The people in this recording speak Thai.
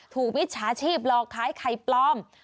ถูกวิจชาติชีพรอกคล้ายไข่ปลอม